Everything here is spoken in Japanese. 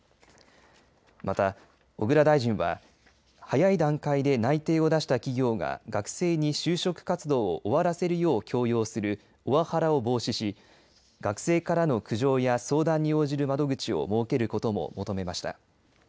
また、小倉大臣は早い段階で内定を出した企業が学生に就職活動を終わらせるよう強要するオワハラを防止し学生からの苦情や相談に応じる窓口を設けることも求めました。